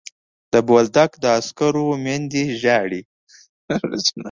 بولدک د عسکرو میندې ژاړي.